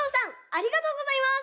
ありがとうございます。